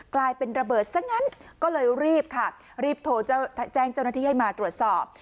กลายเป็นระเบิดซะงั้นก็เลยรีบค่ะรีบโทรแจ้งเจ้าหน้าที่ให้มาตรวจสอบ